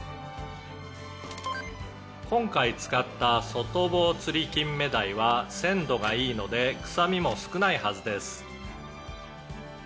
「今回使った外房つりきんめ鯛は鮮度がいいので臭みも少ないはずです」